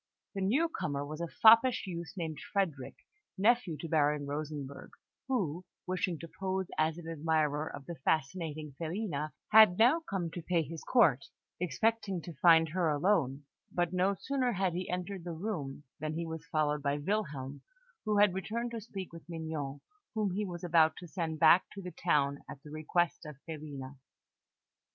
The newcomer was a foppish youth, named Frederick, nephew to Baron Rosenberg, who, wishing to pose as an admirer of the fascinating Filina, had now come to pay his court, expecting to find her alone; but no sooner had he entered the room than he was followed by Wilhelm, who had returned to speak with Mignon, whom he was about to send back to the town at the request of Filina.